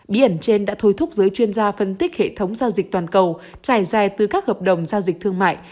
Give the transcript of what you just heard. bí ẩn trên đã thôi thúc giới chuyên gia phân tích hệ thống giao dịch toàn cầu trải dài từ các hợp đồng giao dịch thương mại